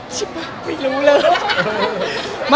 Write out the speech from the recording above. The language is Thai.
ชิบไม่รู้เลย